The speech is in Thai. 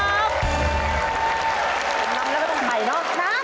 จำนำแล้วไม่ต้องใหม่นะ